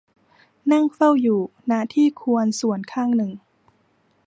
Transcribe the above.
นั่งเฝ้าอยู่ ณ ที่ควรส่วนข้างหนึ่ง